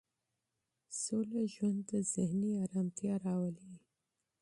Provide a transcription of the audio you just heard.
امن ژوند ذهني ارامتیا راولي.